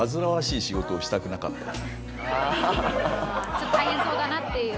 ちょっと大変そうだなっていう。